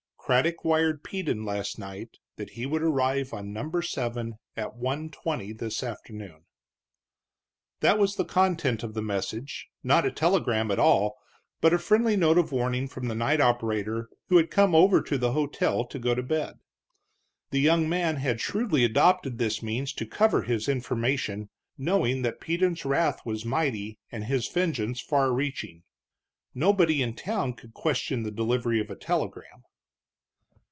Craddock wired Peden last night that he would arrive on number seven at 1:20 this afternoon. That was the content of the message, not a telegram at all, but a friendly note of warning from the night operator, who had come over to the hotel to go to bed. The young man had shrewdly adopted this means to cover his information, knowing that Peden's wrath was mighty and his vengeance far reaching. Nobody in town could question the delivery of a telegram.